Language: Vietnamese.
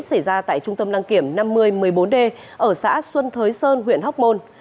xảy ra tại trung tâm đăng kiểm năm mươi một mươi bốn d ở xã xuân thới sơn huyện hóc môn